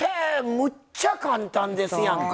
むっちゃ簡単ですやんか。